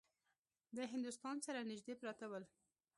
د هندوستان سره نیژدې پراته ول.